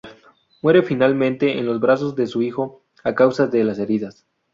Muere finalmente en los brazos de su hijo a causa de las heridas.